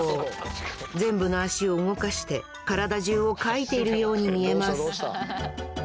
全部の足を動かして体中をかいているように見えます